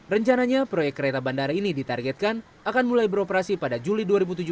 rencananya proyek kereta bandara ini ditargetkan akan mulai beroperasi pada juli dua ribu tujuh belas